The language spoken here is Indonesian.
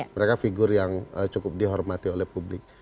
mereka figur yang cukup dihormati oleh publik